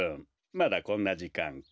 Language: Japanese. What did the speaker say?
まだこんなじかんか。